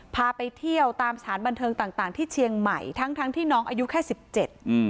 พาไปเที่ยวตามสถานบันเทิงต่างที่เชียงใหม่ทั้งที่น้องอายุแค่๑๗